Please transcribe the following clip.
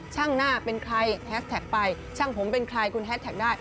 ช่างหน้าเป็นใครแฮสแท็กไปช่างผมเป็นใครคุณแฮสแท็กได้